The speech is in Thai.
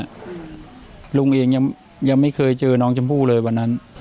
อืมลุงเองยังยังไม่เคยเจอน้องจำพูเลยวันนั้น